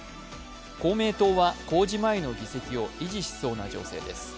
公明党は公示前の議席を維持しそうな情勢です。